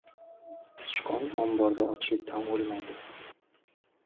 • Sichqon omborda ochlikdan o‘lmaydi.